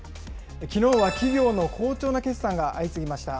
きのうは企業の好調な決算が相次ぎました。